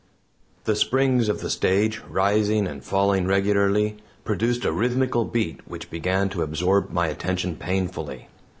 The springs of the stage, rising and falling regularly, produced a rhythmical beat which began to absorb my attention painfully.